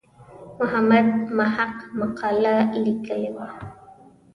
محمد محق مقاله لیکلې وه.